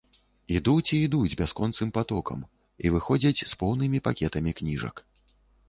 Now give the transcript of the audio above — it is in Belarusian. Ідуць і ідуць бясконцым патокам, і выходзяць з поўнымі пакетамі кніжак.